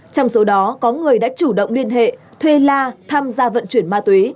trong số đó có người đã chủ động liên hệ thuê la tham gia vận chuyển ma túy